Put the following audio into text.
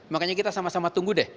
makanya kita sama sama tunggu deh